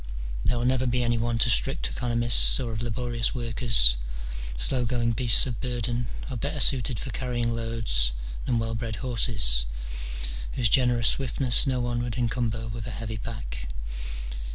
There will never be any want of strict economists or of laborious workers : slow going beasts of burden are better suited for carrying loads than well bred horses, whose generous swiftness no one would encumber with a heavy pack.